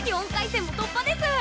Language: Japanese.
４回戦も突破です！